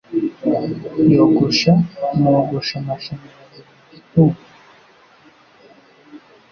Yogosha nogosha amashanyarazi buri gitondo.